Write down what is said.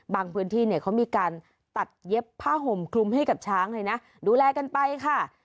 พื้นที่เนี่ยเขามีการตัดเย็บผ้าห่มคลุมให้กับช้างเลยนะดูแลกันไปค่ะ